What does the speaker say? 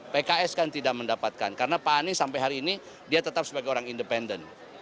pks kan tidak mendapatkan karena pak anies sampai hari ini dia tetap sebagai orang independen